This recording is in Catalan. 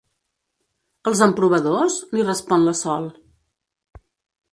Als emprovadors? —li respon la Sol.